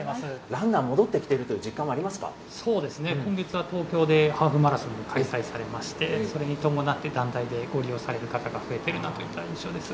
ランナー戻ってきているという実そうですね、今月は東京でハーフマラソンが開催されまして、それに伴って団体でご利用される方が増えているなといった印象です。